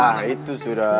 ah itu sudah